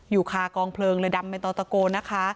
อยู่คากองเพลิงเลยดำเป็นต่อตะโกนนะคะ